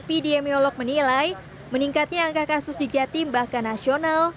epidemiolog menilai meningkatnya angka kasus di jatim bahkan nasional